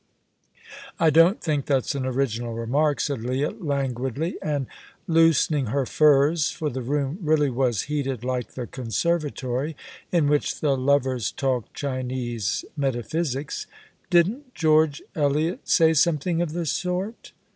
"I don't think that's an original remark," said Leah, languidly, and loosening her furs, for the room really was heated like the conservatory, in which the lovers talked Chinese metaphysics. "Didn't George Eliot say something of the sort?"